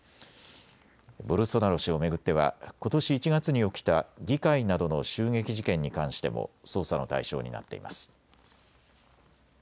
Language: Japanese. ボルソナロ氏を巡ってはことし１月に起きた議会などの襲撃事件に関しても捜査の対象になっています。